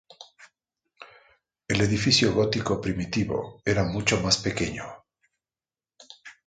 El edificio gótico primitivo era mucho más pequeño.